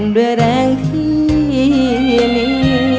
ด้วยแรงที่มี